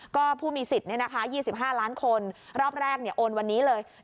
ก็ผู้มีสิทธิ์๒๕ล้านคนรอบแรกโอนวันนี้เลย